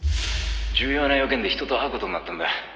「重要な用件で人と会う事になったんだ」